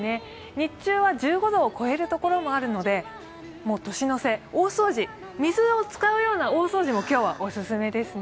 日中は１５度を超えるところもあるので年の瀬、大掃除、水を使うような大掃除も今日はお勧めですね。